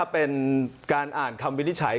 เป็นการอ่านคำวินิจฉัย